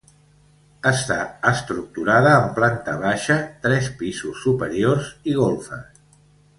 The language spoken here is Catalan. Està estructurada en planta baixa, tres pisos superiors i golfes.